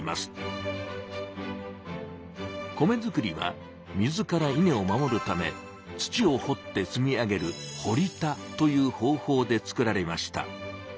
米作りは水からイネを守るため土を掘って積み上げる「堀田」という方法で作られました。